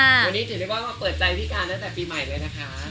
วันนี้ถือได้ว่ามาเปิดใจพี่การตั้งแต่ปีใหม่เลยนะคะ